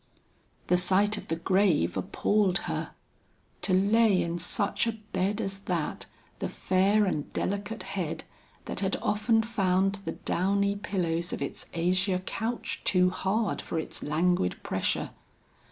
The sight of the grave appalled her. To lay in such a bed as that, the fair and delicate head that had often found the downy pillows of its azure couch too hard for its languid pressure.